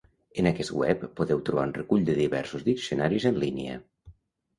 En aquest web podeu trobar un recull de diversos diccionaris en línia.